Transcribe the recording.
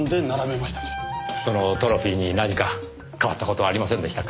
そのトロフィーに何か変わった事はありませんでしたか？